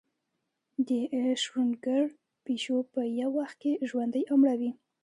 د شروډنګر پیشو په یو وخت کې ژوندۍ او مړه وي.